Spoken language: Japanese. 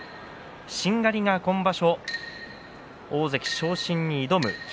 しんがりが今場所大関昇進に挑む霧